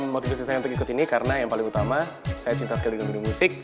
motivasi saya untuk ikut ini karena yang paling utama saya cinta sekali dengan dunia musik